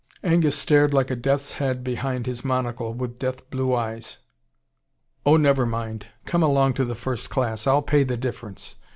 Angus stared like a death's head behind his monocle, with death blue eyes. "Oh, never mind. Come along to the first class. I'll pay the difference.